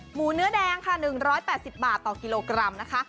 หมูเนื้อแดงค่ะ๑๘๐บาทต่อกิโลกรัมนะคะ